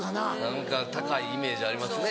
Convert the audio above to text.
何か高いイメージありますね。